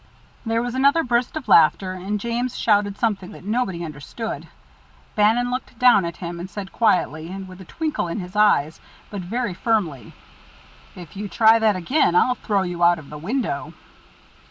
There was another burst of laughter, and James shouted something that nobody understood. Bannon looked down at him, and said quietly, and with a twinkle in his eye, but very firmly: "If you try that again, I'll throw you out of the window."